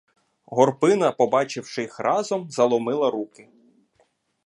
Горпина, побачивши їх разом, заломила руки.